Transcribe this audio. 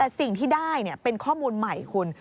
แต่สิ่งที่ได้เป็นข้อมูลใหม่คุณ